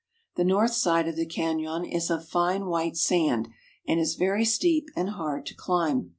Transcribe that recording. The north side of the canon is of fine white sand, and is very steep and hard to chmb.